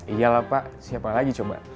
iya lah pak siapa lagi coba